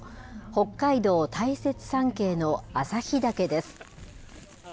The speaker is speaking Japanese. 北海道、大雪山系の旭岳です。